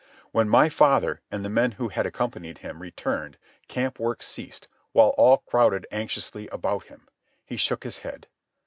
When my father, and the men who had accompanied him, returned, camp work ceased, while all crowded anxiously about him. He shook his head.